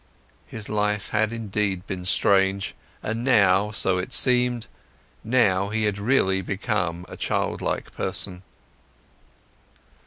His life had indeed been strange. And now, so it seemed, now he had really become a childlike person.